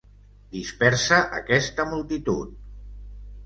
Dispersa aquesta multitud!